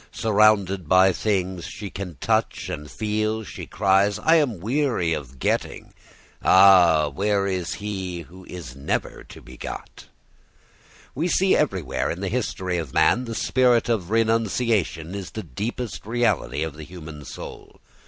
Surrounded by things she can touch and feel, she cries, "I am weary of getting; ah, where is he who is never to be got?" We see everywhere in the history of man that the spirit of renunciation is the deepest reality of the human soul.